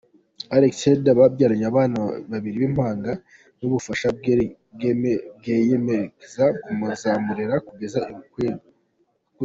Alex Heard babyaranye abana babiri b’impanga n’undi bafashe bakiyemeza kuzamurera kugeza akuze.